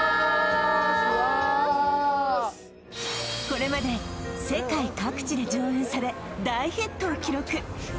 これまで世界各地で上演され大ヒットを記録